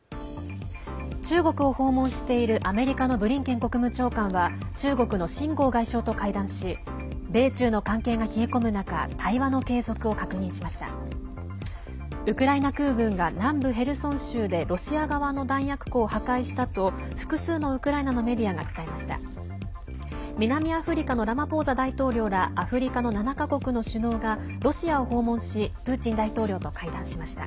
中国を訪問しているアメリカのブリンケン国務長官は中国の秦剛外相と会談しウクライナ空軍が南部ヘルソン州でロシア側の弾薬庫を破壊したと複数のウクライナの南アフリカのラマポーザ大統領らアフリカの７か国の首脳がロシアを訪問しプーチン大統領と会談しました。